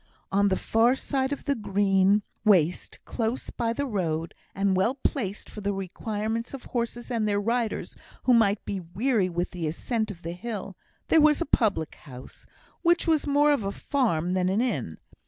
On the far side of the green waste, close by the road, and well placed for the requirements of horses or their riders who might be weary with the ascent of the hill, there was a public house, which was more of a farm than an inn.